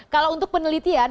kalau untuk penelitian